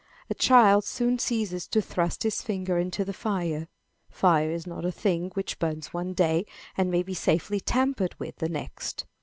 A child soon ceases to thrust his finger into the fire. Fire is not a thing which burns one day, and may be safely tampered with the next.